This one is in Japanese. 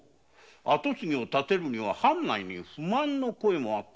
跡継ぎに立てるには藩内に不満の声があったとか。